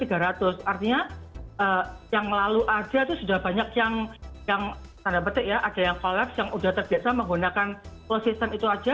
artinya yang lalu saja itu sudah banyak yang ada yang kolaps yang sudah terbiasa menggunakan closed system itu saja